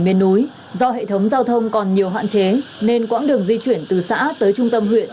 miền núi do hệ thống giao thông còn nhiều hạn chế nên quãng đường di chuyển từ xã tới trung tâm huyện